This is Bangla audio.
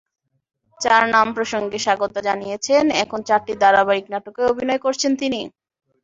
চার নাম প্রসঙ্গে স্বাগতা জানিয়েছেন, এখন চারটি ধারাবাহিক নাটকে অভিনয় করছেন তিনি।